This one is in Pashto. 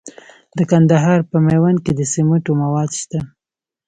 د کندهار په میوند کې د سمنټو مواد شته.